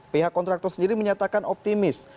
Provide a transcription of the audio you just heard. pihak kontraktor sendiri menyatakan optimis